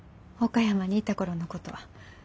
岡山にいた頃のことは。